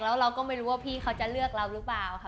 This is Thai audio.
แล้วเราก็ไม่รู้ว่าพี่เขาจะเลือกเราหรือเปล่าค่ะ